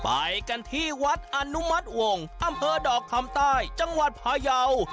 ไปกันที่วัดอนุมัติวงศ์อำเภอดอกคำใต้จังหวัดพายาว